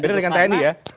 beda dengan tni ya